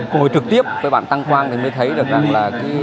còn trực tiếp với bạn tăng khoan thì mới thấy được rằng là